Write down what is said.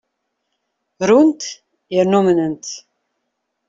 Runt yerna umnent.